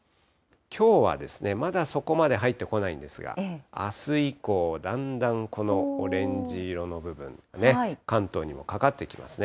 きょうはまだそこまで入ってこないんですが、あす以降、だんだん、このオレンジ色の部分がね、関東にもかかってきますね。